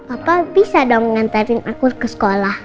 papa bisa dong nganterin aku ke sekolah